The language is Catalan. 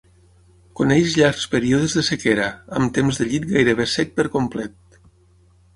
Coneix llargs períodes de sequera, amb temps de llit gairebé sec per complet.